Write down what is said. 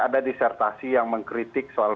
ada disertasi yang mengkritik soal